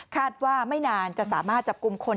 ว่าไม่นานจะสามารถจับกลุ่มคน